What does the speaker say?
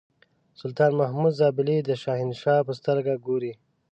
سلطان محمود زابلي د شهنشاه په سترګه ګوري.